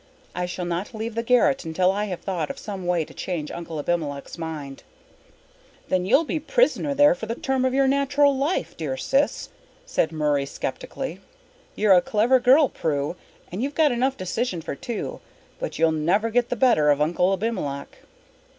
I shall not leave the garret until I have thought of some way to change Uncle Abimelech's mind." "Then you'll be a prisoner there for the term of your natural life, dear sis," said Murray sceptically. "You're a clever girl, Prue and you've got enough decision for two but you'll never get the better of Uncle Abimelech."